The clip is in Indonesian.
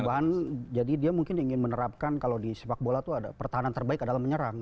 beban jadi dia mungkin ingin menerapkan kalau di sepak bola itu ada pertahanan terbaik adalah menyerang